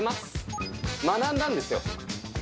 学んだんですよ。